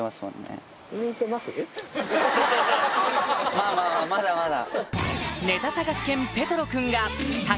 まぁまぁまだまだ。